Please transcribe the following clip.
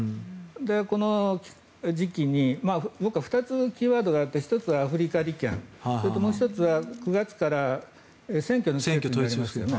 この時期に２つキーワードがあって１つはアフリカ利権それともう１つは９月から選挙がありますよね。